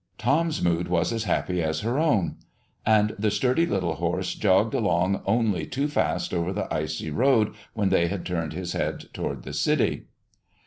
Tom's mood was as happy as her own, and the sturdy little horse jogged along only too fast over the icy road when they had turned his head toward the city.